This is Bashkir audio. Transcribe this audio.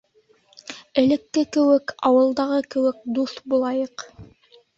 Элекке кеүек, ауылдағы кеүек, дуҫ булайыҡ!